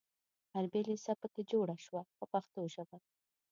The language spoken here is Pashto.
حربي لېسه په کې جوړه شوه په پښتو ژبه.